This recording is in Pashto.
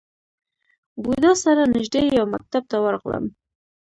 بودا سره نژدې یو مکتب ته ورغلم.